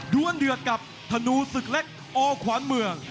วนเดือดกับธนูศึกเล็กอขวานเมือง